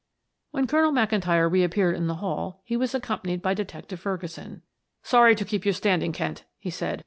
When Colonel McIntyre reappeared in the hall he was accompanied by Detective Ferguson. "Sorry to keep you standing, Kent," he said.